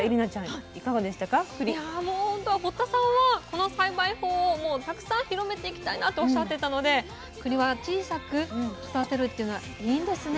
堀田さんはこの栽培法をたくさん広めていきたいなとおっしゃってたのでくりは小さく育てるっていうのがいいんですね。